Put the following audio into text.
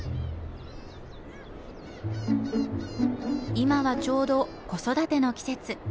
今はちょうど子育ての季節。